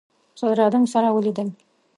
صدراعظم سره ولیدل.